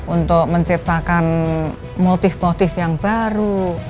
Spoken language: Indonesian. untuk menciptakan motif motif yang baru